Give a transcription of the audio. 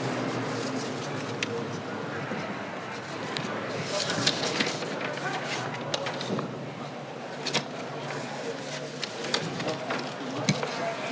วันออก